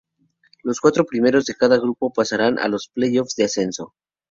Los cuatro primeros de cada grupo pasarán a los play-offs de ascenso.